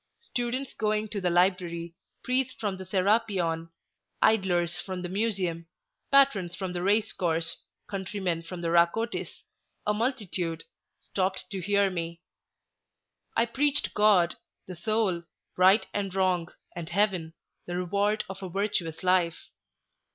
Students going to the Library, priests from the Serapeion, idlers from the Museum, patrons of the race course, countrymen from the Rhacotis—a multitude—stopped to hear me. I preached God, the Soul, Right and Wrong, and Heaven, the reward of a virtuous life.